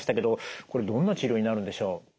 これどんな治療になるんでしょう？